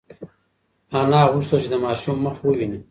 انا غوښتل چې د ماشوم مخ وویني.